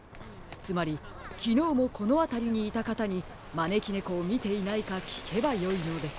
つまりきのうもこのあたりにいたかたにまねきねこをみていないかきけばよいのです。